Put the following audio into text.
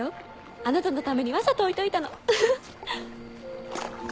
あなたのためにわざと置いといたのフフフ。